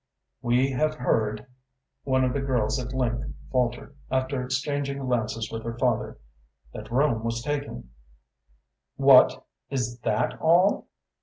"We have heard," one of the girls at length faltered, after exchanging glances with her father, "that Rome was taken " "What! Is THAT all?"